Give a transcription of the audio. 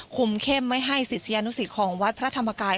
คุมเข้มไม่ให้ศิษยานุสิตของวัดพระธรรมกาย